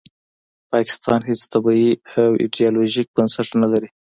پاکستان هیڅ طبیعي او ایډیالوژیک بنسټ نلري